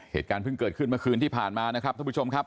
เหตุการณ์เพิ่งเกิดขึ้นเมื่อคืนที่ผ่านมานะครับท่านผู้ชมครับ